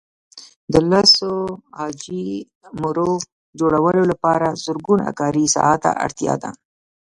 د لسو عاجي مرو جوړولو لپاره زرګونه کاري ساعته اړتیا ده.